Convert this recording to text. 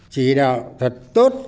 chỉ đạo thật tốt